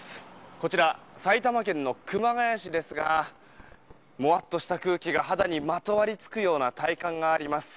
こちら、埼玉県の熊谷市ですがもわっとした空気が肌にまとわりつくような体感があります。